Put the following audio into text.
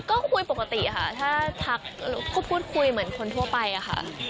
ก็คุยปกติค่ะถ้าทักพูดคุยเหมือนคนทั่วไปอะค่ะ